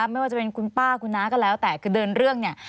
ไม่ว่าจะเป็นคุณป้าคุณน้าก็แล้วแต่คือเดินเรื่องเนี่ย